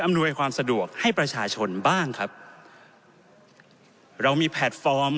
หน่วยความสะดวกให้ประชาชนบ้างครับเรามีแพลตฟอร์ม